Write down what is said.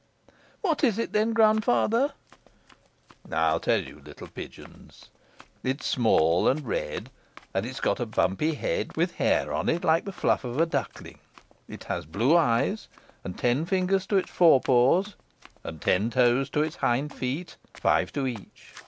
"What is it then, grandfather?" "I'll tell you, little pigeons. It's small and red, and it's got a bumpy head with hair on it like the fluff of a duckling. It has blue eyes, and ten fingers to its fore paws, and ten toes to its hind feet five to each."